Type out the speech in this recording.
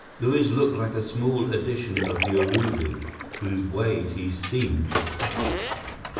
Luiz looked like a small edition of Urubu, whose ways he seemed to copy.